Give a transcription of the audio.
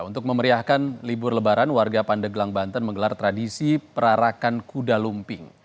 untuk memeriahkan libur lebaran warga pandeglang banten menggelar tradisi perarakan kuda lumping